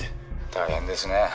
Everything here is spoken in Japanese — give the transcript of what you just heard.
大変ですね。